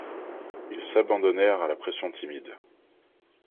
Ils s'abandonnèrent à la pression timide.